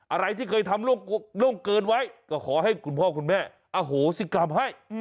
อะไรที่เคยทำล่วงเกินไว้ก็ขอให้คุณพ่อคุณแม่อโหสิกรรมให้